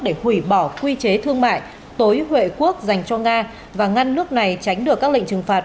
để hủy bỏ quy chế thương mại tối huệ quốc dành cho nga và ngăn nước này tránh được các lệnh trừng phạt